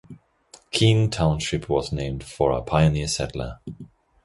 Keene Township was named for a pioneer settler.